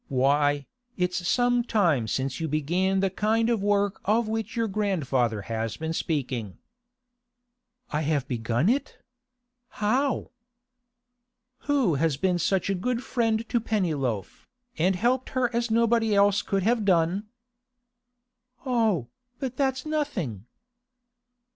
Why, it's some time since you began the kind of work of which your grandfather has been speaking.' 'I have begun it? How?' 'Who has been such a good friend to Pennyloaf, and helped her as nobody else could have done?' 'Oh, but that's nothing!